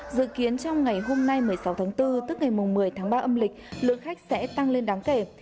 dự kiến trong ngày hôm nay một mươi sáu tháng bốn tức ngày một mươi tháng ba âm lịch lượng khách sẽ tăng lên đáng kể